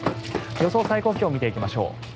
予想最高気温を見てみましょう。